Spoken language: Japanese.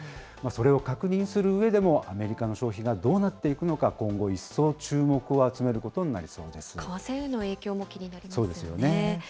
それを確認するうえでも、アメリカの消費がどうなっていくのか、今後、一層注目を集めることにな為替への影響も気になりますそうですよね。